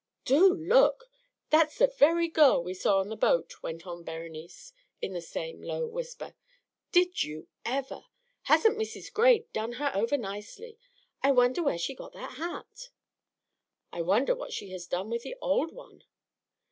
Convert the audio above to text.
"Do look! That's the very girl we saw on the boat," went on Berenice, in the same low whisper. "Did you ever! Hasn't Mrs. Gray done her over nicely? I wonder where she got that hat?" "I wonder what she has done with the old one?"